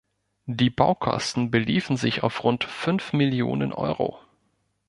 Die Baukosten beliefen sich auf rund fünf Millionen Euro.